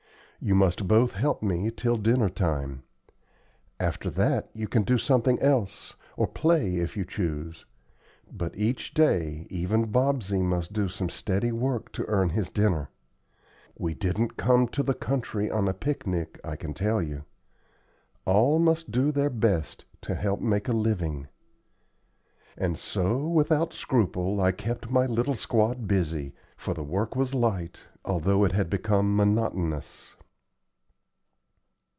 You must both help me till dinner time. After that you can do something else, or play if you choose; but each day, even Bobsey must do some steady work to earn his dinner. We didn't come to the country on a picnic, I can tell you. All must do their best to help make a living;" and so without scruple I kept my little squad busy, for the work was light, although it had become monotonous.